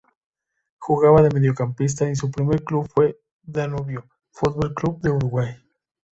Jugaba de mediocampista y su primer club fue el Danubio Fútbol Club de Uruguay.